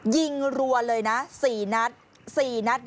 ยิงรัวเลยนะ๔นัด